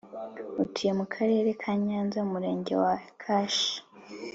utuye mu Karere ka NYANZA Umurenge wa kashi